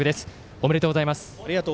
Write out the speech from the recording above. ありがとうございます。